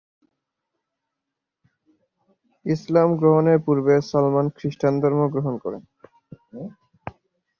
ইসলাম গ্রহণের পূর্বে সালমান খ্রিষ্টান ধর্ম গ্রহণ করেন।